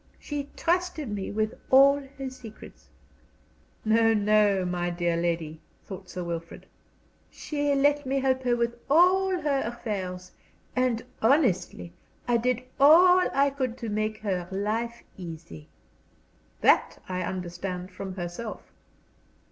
She trusted me with all her secrets." ("No, no, my dear lady," thought Sir Wilfrid.) "She let me help her with all her affairs. And, honestly, I did all I could to make her life easy." "That I understand from herself."